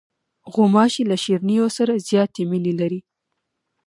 غوماشې له شیرینیو سره زیاتې مینې لري.